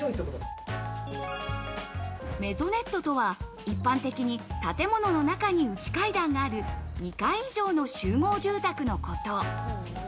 メゾネットとは一般的に建物の中に内階段がある２階以上の集合住宅のこと。